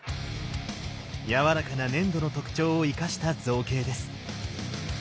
やわらかな粘土の特徴を生かした造形です。